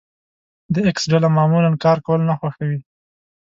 د ايکس ډله معمولا کار کول نه خوښوي.